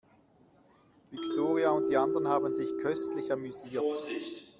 Viktoria und die anderen haben sich köstlich amüsiert.